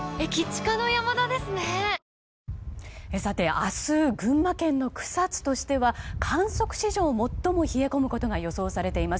明日群馬県の草津としては観測史上最も冷え込むことが予想されています。